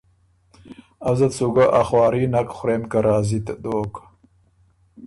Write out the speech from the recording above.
ازت سُو ګه ا خواري نک خورېم که راضی ت دوک۔